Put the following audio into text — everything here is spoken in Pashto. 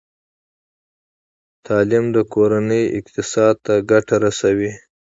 تعلیم د کورنۍ اقتصاد ته ګټه رسوي۔